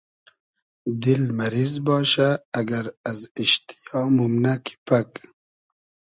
دیل مئریز باشۂ ائگئر از ایشتیا مومنۂ کی پئگ